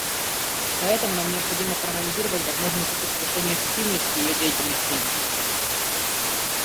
Поэтому нам необходимо проанализировать возможные пути повышения эффективности ее деятельности.